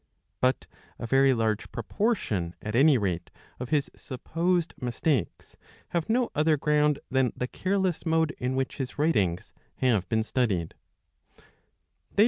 But a very large pro portion, at any rate, of his supposed mistakes have no other ground than the careless mode in which his writings have been studied.